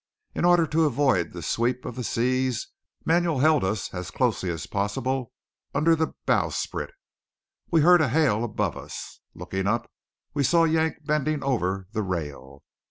In order to avoid the sweep of the seas Manuel held us as closely as possible under the bowsprit. We heard a hail above us. Looking up we saw Yank bending over the rail.